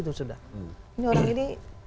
ini orang ini